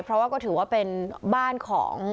เพราะว่าก็เป็นบ้านของ